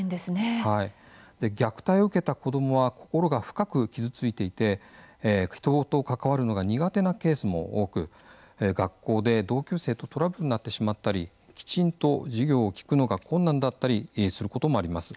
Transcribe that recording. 虐待を受けた子どもは心が深く傷ついていて人と関わるのが苦手なケースも多く学校で同級生とトラブルになってしまったりきちんと授業を聞くのが困難だったりすることもあります。